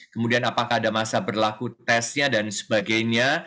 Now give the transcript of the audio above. kemudian apakah ada masa berlaku tesnya dan sebagainya